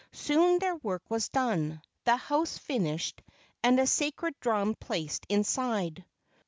Soon their work was done, the house finished, and a sacred drum placed inside.